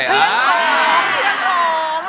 เพื่อนกัน